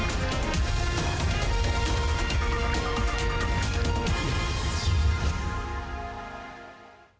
นี้จะเปิดเรื่อง